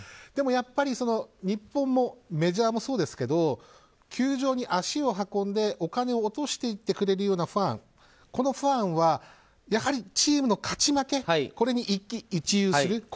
でもやっぱり日本もメジャーもそうですけど球場に足を運んでお金を落としていってくれるようなファンこのファンは、やはりチームの勝ち負けに一喜一憂する。